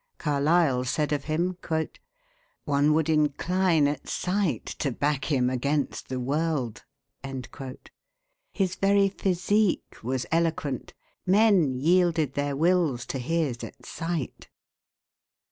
Carlyle said of him: "One would incline at sight to back him against the world." His very physique was eloquent. Men yielded their wills to his at sight.